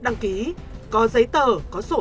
đăng ký có giấy tờ có sổ